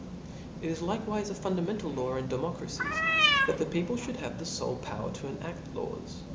It is likewife a fundamental law in democracies, that the people fhould have the fole power to enadt" laws.